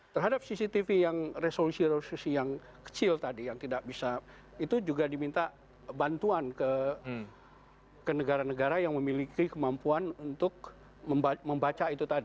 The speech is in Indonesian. terhadap cctv yang resolusi resolusi yang kecil tadi yang tidak bisa itu juga diminta bantuan ke negara negara yang memiliki kemampuan untuk membaca itu tadi